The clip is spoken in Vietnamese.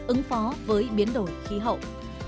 ứng phó với biến đổi khí hậu